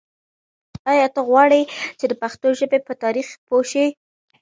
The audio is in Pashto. آیا ته غواړې چې د پښتو ژبې په تاریخ پوه شې؟